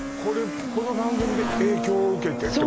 この番組で影響を受けてってこと？